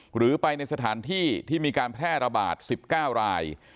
หรือไปในสถานที่ที่มีการแพร่ระบาด๑๙ราย